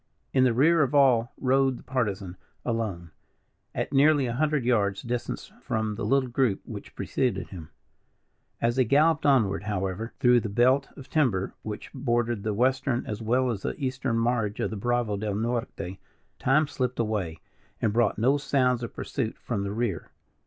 In the rear of all rode the Partisan, alone, at nearly a hundred yards distance from the little group which preceded him. As they galloped onward, however, through the belt of timber which bordered the Western as well as the Eastern marge of the Bravo del Norte, time slipped away and brought no sounds of pursuit from the rear.